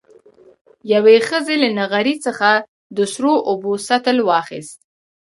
يوې ښځې له نغري څخه د سرو اوبو سطل واخېست.